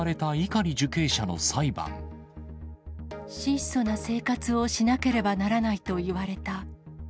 質素な生活をしなければならないと言われた。